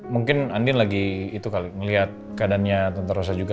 mungkin andin lagi itu kali ngelihat keadaannya tante rosa juga